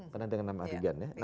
pernah dengan nama avigan ya